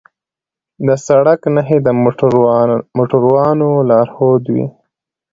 د سړک نښې د موټروانو لارښودوي.